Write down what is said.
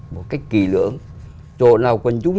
một cách kỳ lưỡng chỗ nào quần chúng